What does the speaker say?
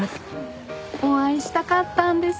お会いしたかったんです。